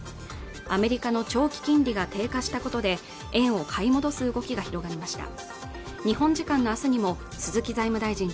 アメリカの長期金利が低下したことで円を買い戻す動きが広がりました